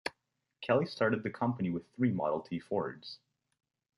Kelley started the company with three Model T Fords.